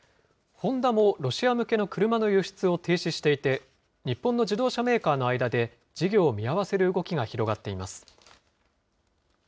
ホンダもロシア向けの車の輸出を停止していて、日本の自動車メーカーの間で、事業を見合わせる動きが広がっています。